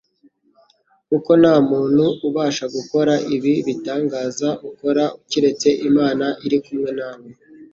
kuko nta muntu ubasha gukora ibi bitangaza ukora, keretse Imana iri kumwe na we.